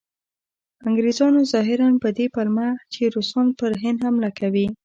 انګریزانو ظاهراً په دې پلمه چې روسان پر هند حمله کوي.